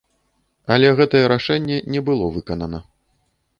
Але гэтае рашэнне не было выканана.